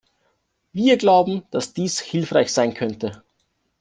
Wir glauben, dass dies hilfreich sein könnte.